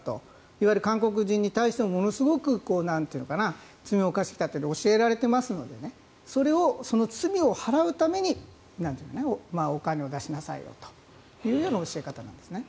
いわゆる韓国人に対してものすごく罪を犯してきたと教えられていますのでそれを、罪を払うためにお金を出しなさいよという教え方なんですね。